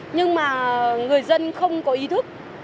nhưng mà người dân không có ý thức